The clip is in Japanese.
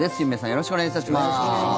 よろしくお願いします。